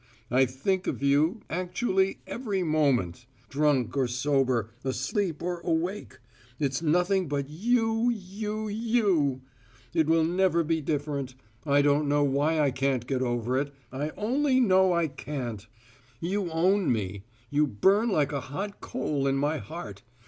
I think of you actually every moment. Drunk or sober, asleep or awake, it's nothing but you, you, you! It will never be different: I don't know why I can't get over it I only know I can't. You own me; you burn like a hot coal in my heart.